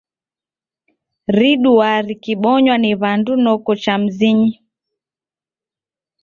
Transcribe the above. Riduaa rikibonywa ni w'andu noko cha mizinyi.